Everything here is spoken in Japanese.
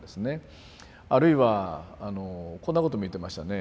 あるいはこんなことも言ってましたね。